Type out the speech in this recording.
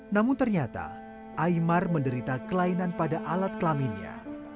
namun ternyata aymar menderita kelainan pada alat kelaminnya